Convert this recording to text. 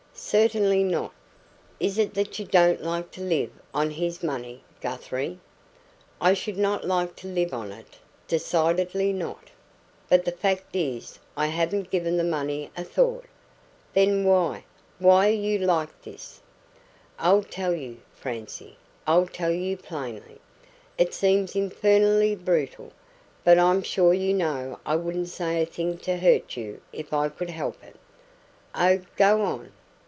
"Certainly not." "Is it that you don't like to live on his money, Guthrie?" "I should NOT like to live on it decidedly not. But the fact is, I haven't given the money a thought." "Then why why are you like this?" "I'll tell you, Francie I'll tell you plainly. It seems infernally brutal but I'm sure you know I wouldn't say a thing to hurt you if I could help it." "Oh, go on!"